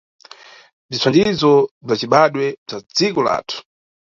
Bzithandizo bza cibadwe bza dziko lathu.